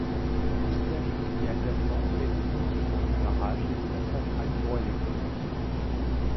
Les villages Yonki adjacents aident au fonctionnement du barrage et de la centrale hydroélectrique.